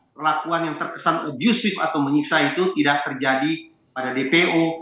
perlakuan yang terkesan abusive atau menyiksa itu tidak terjadi pada dpo